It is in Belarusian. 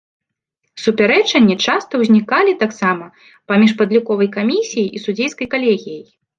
Супярэчанні часта ўзнікалі таксама паміж падліковай камісіяй і судзейскай калегіяй.